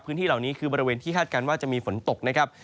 พื้นที่เหล่านี้คือบริเวณที่คาดการณ์ว่าจะมีฝนตกนะครับ